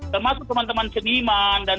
termasuk teman teman seniman dan